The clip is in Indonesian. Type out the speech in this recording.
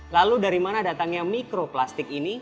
lalu dari mana datangnya mikroplastik ini